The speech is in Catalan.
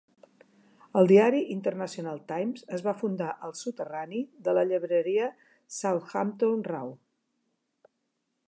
El diari "International Times" es va fundar al soterrani de la llibreria Southampton Row.